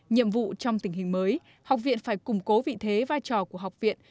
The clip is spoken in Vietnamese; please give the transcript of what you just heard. nhiệm vụ trong tình hình mới học viện phải củng cố vị thế vai trò của học viện